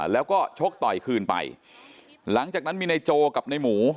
แล้วก็ชกต่อยคืนไปหลังจากนั้นมีนายโจกับในหมู